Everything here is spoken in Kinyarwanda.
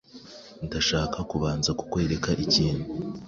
Ndashaka kubanza kukwereka ikintu.